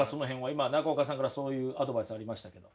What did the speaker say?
今中岡さんからそういうアドバイスありましたけど。